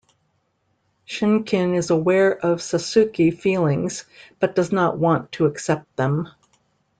Shunkin is aware of Sasuke feelings, but does not want to accept them.